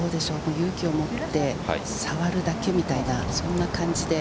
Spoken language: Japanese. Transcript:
勇気をもって触るだけみたいな、そんな感じで。